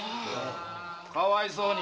かわいそうに。